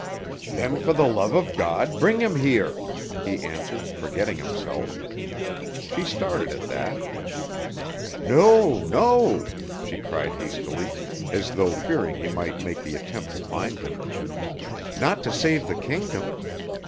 "Then for the love of God, bring him here," he answered, forgetting himself. She started at that. "No! No!" she cried hastily, as though fearing he might make the attempt to find him; "not to save the kingdom.